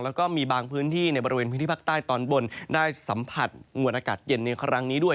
แล้วก็มีบางพื้นที่ในบริเวณพื้นที่ภาคใต้ตอนบนได้สัมผัสมวลอากาศเย็นในครั้งนี้ด้วย